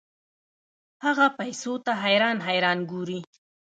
هغه پیسو ته حیران حیران ګوري.